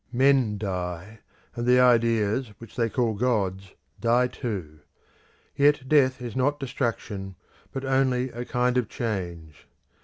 Men die, and the ideas which they call gods die too; yet death is not destruction, but only a kind of change.